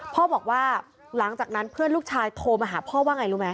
พ่อบอกว่าหลังจากนั้นเพื่อนลูกชายโทรมาหาพ่อว่าไงรู้ไหม